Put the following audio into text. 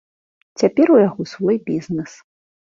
Цяпер у яго свой бізнэс.